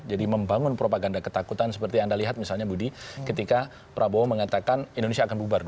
jadi membangun propaganda ketakutan seperti yang anda lihat misalnya budi ketika prabowo mengatakan indonesia akan bubar dua ribu tiga puluh